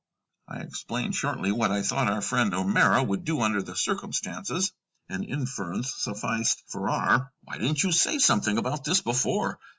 I explained shortly what I thought our friend, O'Meara, would do under the circumstances. An inference sufficed Farrar. "Why didn't you say something about this before?"